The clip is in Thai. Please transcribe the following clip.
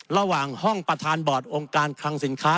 ระหว่างห้องประธานบอร์ดองค์การคลังสินค้า